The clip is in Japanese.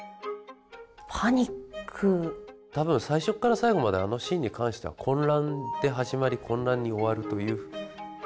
多分最初から最後まであのシーンに関しては混乱で始まり混乱に終わるという。